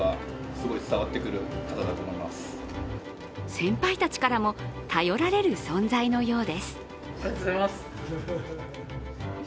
先輩たちからも頼られる存在のようです。